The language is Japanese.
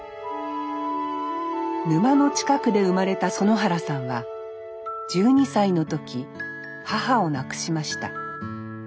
沼の近くで生まれた園原さんは１２歳の時母を亡くしました。